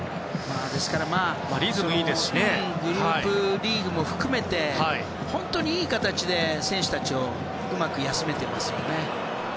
ですからグループリーグも含めて本当にいい形で選手たちをうまく休めていますね。